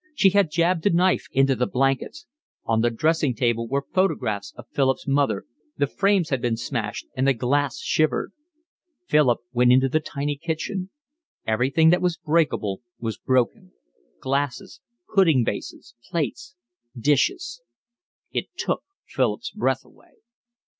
She had jabbed a knife into the blankets. On the dressing table were photographs of Philip's mother, the frames had been smashed and the glass shivered. Philip went into the tiny kitchen. Everything that was breakable was broken, glasses, pudding basins, plates, dishes. It took Philip's breath away.